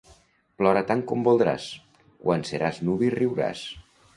Plora tant com voldràs; quan seràs nuvi riuràs.